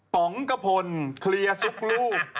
ป๋องกระพลเคลียร์ซุกลูก